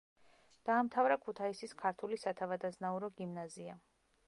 დაამთავრა ქუთაისის ქართული სათავადაზნაურო გიმნაზია.